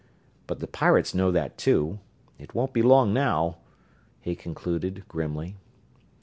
But the pirates know that, too it won't be long now," he concluded, grimly.